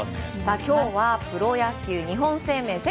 今日はプロ野球日本生命セ